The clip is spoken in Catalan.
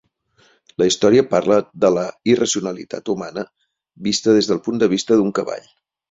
La història parla de la irracionalitat humana vista des del punt de vista d'un cavall.